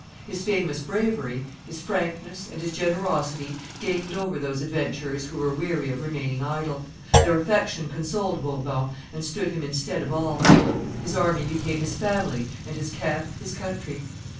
His famous bravery, his frankness, and his generosity gained over those adventurers who were weary of remaining idle; their affection consoled Bourbon and stood him in stead of all: his army became his family and his camp his country.